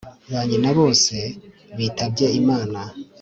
ba nyina bose bitabye imana